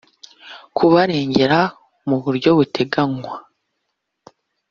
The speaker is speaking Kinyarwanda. kubarengera mu buryo buteganywa